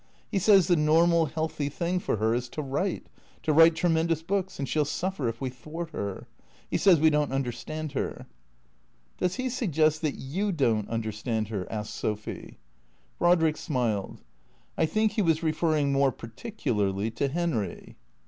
He says the normal, healthy thing for her is to write, to write tremendous books, and she '11 suffer if we thwart her. He says we don't understand her." " Does he suggest that you don't understand her ?" asked Sophy. Brodrick smiled. " I think he was referring more particu larly to Henry."